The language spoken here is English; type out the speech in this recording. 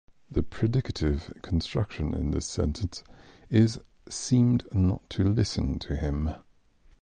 The predicative construction in this sentence is "seemed not to listen to him".